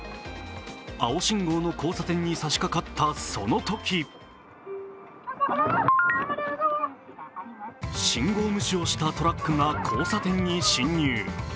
青信号の交差点にさしかかったそのとき信号無視をしたトラックが交差点に進入。